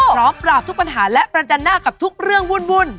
พร้อมปราบทุกปัญหาและประจันหน้ากับทุกเรื่องวุ่น